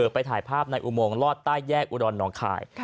ไปถ่ายภาพในอุโมงลอดใต้แยกอุดรน้องคาย